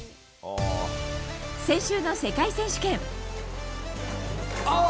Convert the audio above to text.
先週の世界選手権。